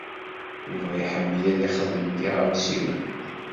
Yuba iḥemmel ad ixdem tiɣawsiwin.